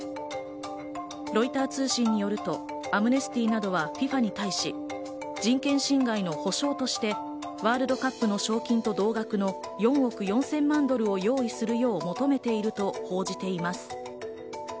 ロイター通信によると、アムネスティなどはＦＩＦＡに対し、人権侵害の保障として、ワールドカップの賞金と同額の４億４０００万ドルを用意するよう求めていると報じています。